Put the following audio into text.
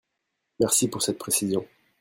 Merci pour cette précision.